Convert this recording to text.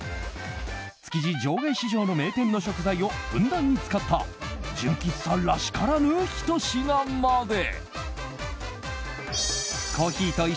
築地場外市場の名店の食材をふんだんに使った純喫茶らしからぬ、ひと品まで。